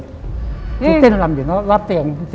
ดูเต้นลำอยู่แล้วรอบเตียง